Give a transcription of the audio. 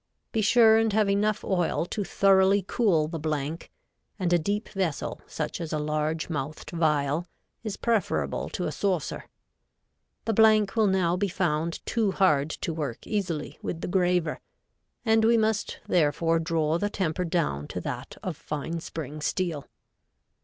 Be sure and have enough oil to thoroughly cool the blank, and a deep vessel, such as a large mouthed vial, is preferable to a saucer. The blank will now be found too hard to work easily with the graver, and we must therefore draw the temper down to that of fine spring steel.